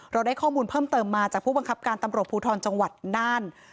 ได้ข้อมูลเพิ่มเติมมาจากผู้บังคับการตำรวจภูทรจังหวัดน่าน